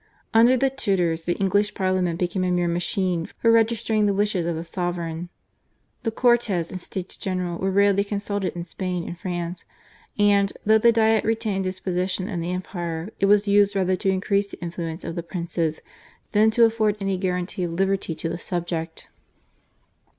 Under the Tudors the English Parliament became a mere machine for registering the wishes of the sovereign; the Cortes and States General were rarely consulted in Spain and France; and, though the Diet retained its position in the Empire, it was used rather to increase the influence of the princes than to afford any guarantee of liberty to the subject.